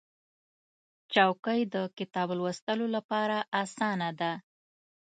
چوکۍ د کتاب لوستلو لپاره اسانه ده.